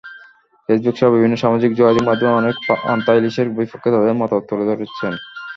ফেসবুকসহ বিভিন্ন সামাজিক যোগাযোগমাধ্যমে অনেকে পান্তা-ইলিশের বিপক্ষে তাদের মতামত তুলে ধরছেন।